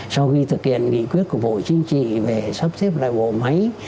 sau khi thực hiện nghị quyết của bộ chính trị về sắp xếp lại bộ máy